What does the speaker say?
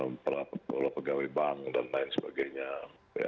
melakukan pegawai bank dan lain sebagainya ya